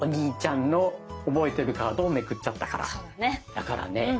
だからね